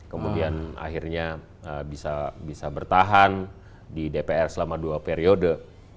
kemudian akhirnya bisa bertahan di dpr selama dua periode